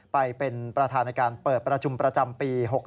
ไปเป็นประธานในการเปิดประชุมประจำปี๖๖